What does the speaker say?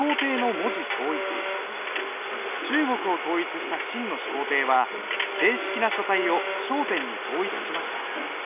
中国を統一した秦の始皇帝は正式な書体を小篆に統一しました。